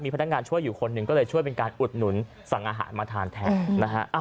พนักงานช่วยอยู่คนหนึ่งก็เลยช่วยเป็นการอุดหนุนสั่งอาหารมาทานแทนนะฮะ